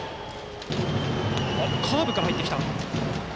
カーブから入ってきた井川。